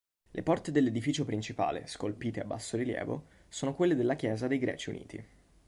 Le porte dell'edificio principale, scolpite a bassorilievo, sono quelle della chiesa dei Greci Uniti.